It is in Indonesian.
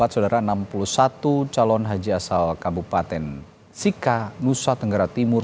empat saudara enam puluh satu calon haji asal kabupaten sika nusa tenggara timur